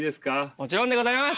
もちろんでございます！